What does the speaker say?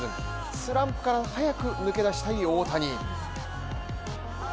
スタンプから早く抜け出したい大谷。